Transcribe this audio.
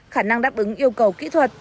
khả năng đáp ứng yêu cầu kỹ thuật